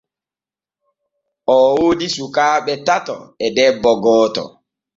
Oo woodi sukaaɓe tato e debbo gooto.